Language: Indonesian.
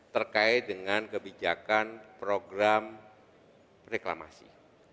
terkait dengan kebijakan program reklamasi